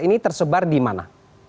ini tersebar di mana